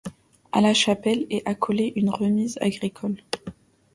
À la chapelle est accolée une remise agricole.